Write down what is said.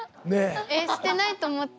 えしてないと思った。